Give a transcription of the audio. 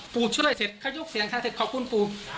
ปูช่วยเสร็จขยกเสียงทางเทศขอบคุณปู